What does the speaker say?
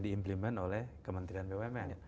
diimplement oleh kementerian bumn